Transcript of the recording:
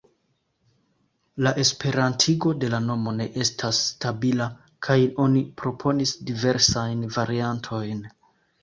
La esperantigo de la nomo ne estas stabila, kaj oni proponis diversajn variantojn.